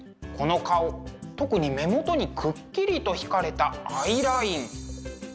特に目元にくっきりと引かれたアイライン。